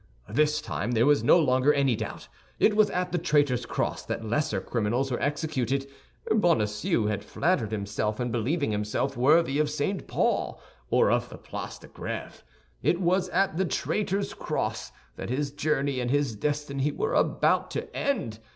This time there was no longer any doubt; it was at the Traitor's Cross that lesser criminals were executed. Bonacieux had flattered himself in believing himself worthy of St. Paul or of the Place de Grêve; it was at the Traitor's Cross that his journey and his destiny were about to end!